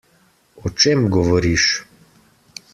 O čem govoriš?